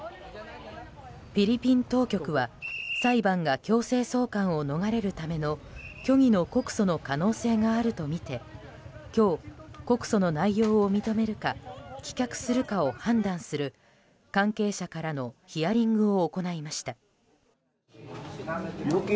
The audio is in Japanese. フィリピン当局は裁判が強制送還を逃れるための虚偽の告訴の可能性があるとみて今日、告訴の内容を認めるか棄却するかを判断する関係者からのヒアリングを行いました。